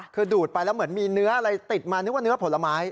คือดูดไปแล้วเหมือนมีเนื้ออะไรติดมานึกว่าเนื้อผลไม้